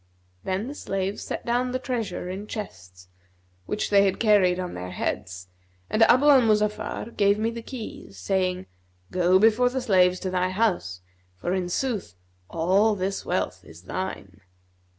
Then the slaves set down the treasure in chests, which they had carried on their heads, and Abu al Muzaffar gave me the keys saying, 'Go before the slaves to thy house; for in sooth all this wealth is thine.'